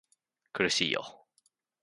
苦しいよ